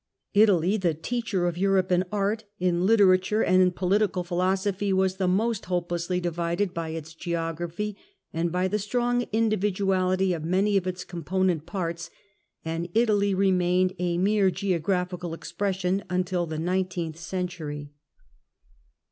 Italy, the teacher of Europe in art, in literature and in political philosophy, was the most hopelessly divided by its geography and by the strong individucjiity of many of its component parts ; and Italy remained a mere geographical expression until the nineteenth century.